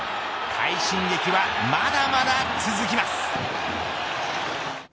快進撃は、まだまだ続きます。